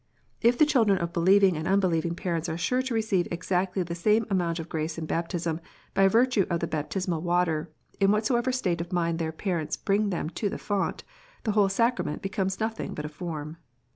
If the children of believing and unbelieving parents are sure to receive exactly the same amount of grace in baptism, by virtue of the baptismal water, in whatever state of mind their parents bring them to the font, the whole sacrament becomes nothing but a form.